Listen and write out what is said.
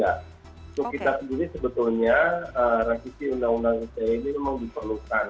untuk kita sendiri sebetulnya revisi undang undang ite ini memang diperlukan